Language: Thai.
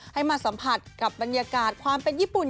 ให้มาสัมผัสกับบรรยากาศความเป็นญี่ปุ่น